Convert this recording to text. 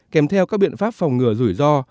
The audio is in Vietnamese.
kèm theo các biện pháp phòng ngừa rủi ro